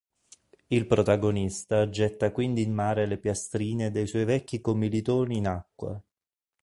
Il protagonista getta quindi in mare le piastrine dei suoi vecchi commilitoni in acqua.